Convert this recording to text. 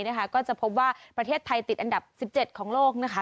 ก็จะพบว่าประเทศไทยติดอันดับ๑๗ของโลกนะคะ